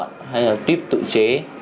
phóng lợn hay là tuyếp tự chế